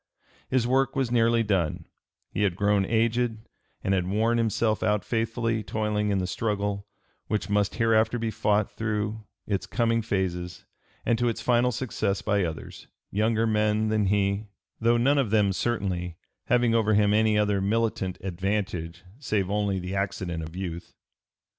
His work was nearly done; he had grown aged, and had worn himself out faithfully toiling in the struggle which must hereafter be fought through its coming phases and to its final success by others, younger men than he, though none of them certainly having over him any other militant advantage save only the accident of youth.